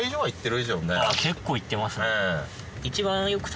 結構行ってますね。